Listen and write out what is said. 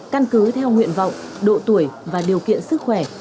căn cứ theo nguyện vọng độ tuổi và điều kiện sức khỏe